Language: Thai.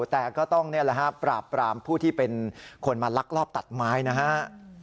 แต่ก็ต้องนี่แหละฮะปราบปรามผู้ที่เป็นคนมาลักลอบตัดไม้นะฮะ